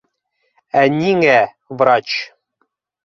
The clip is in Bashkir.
Ә нигә... врач?